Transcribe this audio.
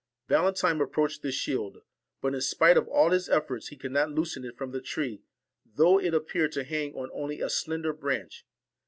Valentine approached the shield; but, in spite of all his efforts, he could not loosen it from the tree, though it appeared to hang on only a slender branch.